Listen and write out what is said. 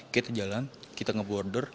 kita ke jalan kita nge border